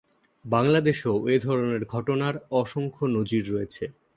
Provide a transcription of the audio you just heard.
বাংলাদেশেও এধরনের ঘটনার অসংখ্য নজির রয়েছে।